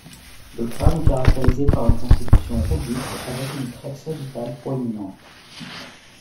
Le crâne est caractérisé par une constitution robuste avec une crête sagittale proéminente.